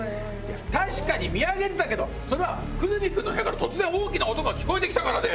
確かに見上げてたけど久住君の部屋から突然大きな音が聞こえて来たからで。